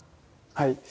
はい。